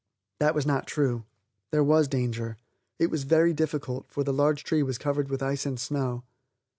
That was not true. There was danger. It was very difficult, for the large tree was covered with ice and snow.